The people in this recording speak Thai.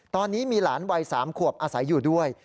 ตอนนี้มีหลานวัย๓ขวบอาศัยอยู่ด้วย